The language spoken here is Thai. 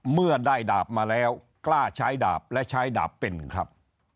เมื่อได้ดาบมาแล้วกล้าใช้ดาบและใช้ดาบเป็นครับ